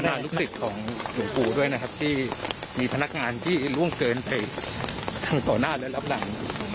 ลูกศิษย์ของหลวงปู่ด้วยนะครับที่มีพนักงานที่ล่วงเกินไปทั้งต่อหน้าและรับหลัง